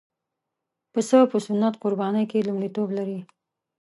پسه په سنت قربانۍ کې لومړیتوب لري.